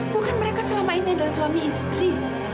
bukan mereka selama ini adalah suami istri